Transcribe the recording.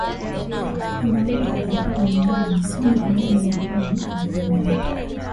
unaweza kukaa nyumbani kama hauna mahali pakwenda